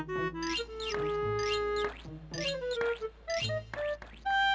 mau rapuk rumah saya ya